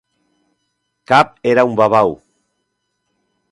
Cap era un "babau".